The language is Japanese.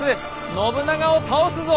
信長を倒すぞ！